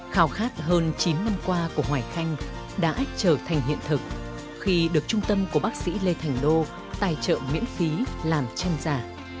khảo khát hơn chín năm qua của hoài khanh đã trở thành hiện thực khi được trung tâm của bác sĩ lê thành đô tài trợ miễn phí làm chân giả